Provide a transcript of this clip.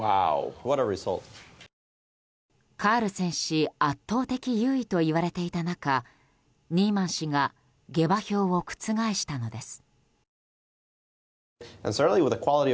カールセン氏、圧倒的優位といわれていた中ニーマン氏が下馬評を覆したのです。